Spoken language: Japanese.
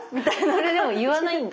それでも言わないんだ。